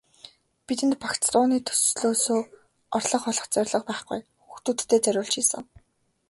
Бидэнд багц дууны төслөөсөө орлого олох зорилго байхгүй, хүүхдүүддээ зориулж хийсэн.